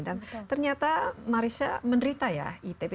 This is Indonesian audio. dan ternyata marissa menderita ya itp